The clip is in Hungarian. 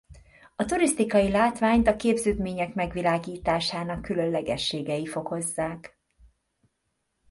A turisztikai látványt a képződmények megvilágításának különlegességei fokozzák.